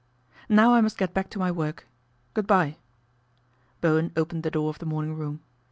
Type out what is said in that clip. " Now I must get back to my work. Good bye." Bowen opened the door of the morning room.